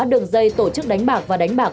đường dây tổ chức đánh bạc và đánh bạc